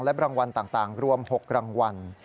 รางวัลต่างรวม๖รางวัล